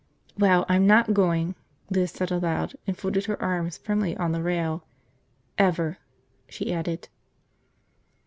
"Well, I'm not going," Lizette said aloud, and folded her arms firmly on the rail. "Ever," she added.